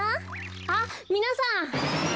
あっみなさん。